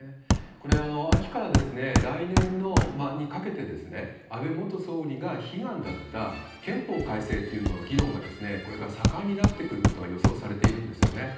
これは秋から来年にかけて、安倍元総理が悲願だった憲法改正という議論がこれから盛んになってくることが予想されてるんですよね。